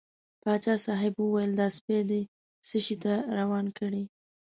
پاچا صاحب وویل دا سپی دې څه شي ته روان کړی.